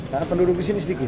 karena penduduk di sini sedikit